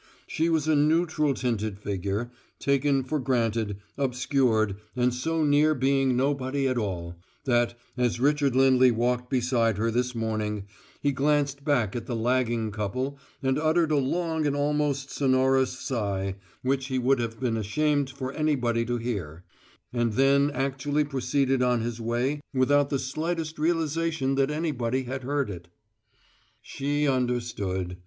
She was a neutral tinted figure, taken for granted, obscured, and so near being nobody at all, that, as Richard Lindley walked beside her this morning, he glanced back at the lagging couple and uttered a long and almost sonorous sigh, which he would have been ashamed for anybody to hear; and then actually proceeded on his way without the slightest realization that anybody had heard it. She understood.